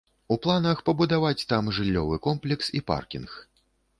У планах пабудаваць там жыллёвы комплекс і паркінг.